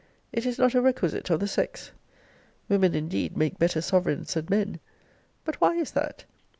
It is not a requisite of the sex. Women, indeed, make better sovereigns than men: but why is that?